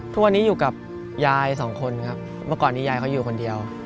ทุกวันนี้อยู่กับยายสองคนครับเมื่อก่อนนี้ยายเขาอยู่คนเดียว